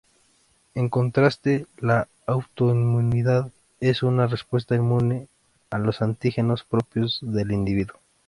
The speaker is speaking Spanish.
En contraste, la autoinmunidad es una respuesta inmune a los antígenos propios del individuo.